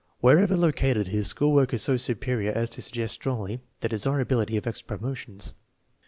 Wherever lo cated, his school work is so superior as to suggest strongly the desirability of extra promotions.